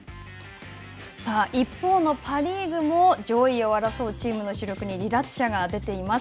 一方のパ・リーグも、上位を争うチームの主力に離脱者が出ています。